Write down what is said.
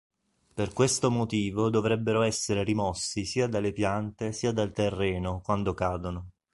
Per questo motivo dovrebbero essere rimossi sia dalle piante sia dal terreno, quando cadono.